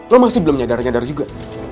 lo masih belum nyadar nyadar juga